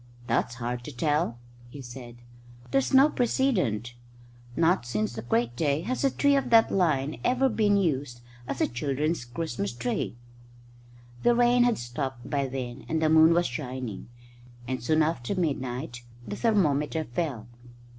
"That's hard to tell," he said. "There's no precedent. Not since the Great Day has a tree of that line ever been used as a children's Christmas tree." The rain had stopped by then and the moon was shining, and soon after midnight the thermometer fell.